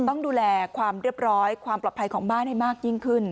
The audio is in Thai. ต้องดูแลความเรียบร้อยความปลอดภัยของบ้านให้มากยิ่งขึ้น